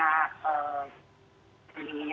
boleh dibilang tempat shock ya